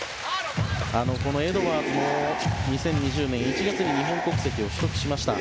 エドワーズも２０２０年１月に日本国籍を取得しました。